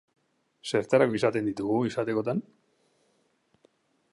Zertarako izaten ditugu, izatekotan?